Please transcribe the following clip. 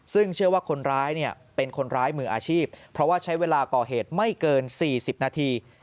ซึ่งเชื่อว่าคนร้ายเป็นคนร้ายมืออาชีพเพราะว่าใช้เวลาก่อเหตุไม่เกิน๔๐นาที